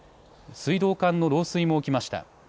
水道管の漏水も起きました。